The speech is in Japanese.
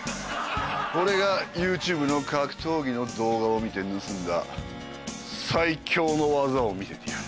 俺がＹｏｕＴｕｂｅの格闘技の動画を見て盗んだ最強の技を見せてやる。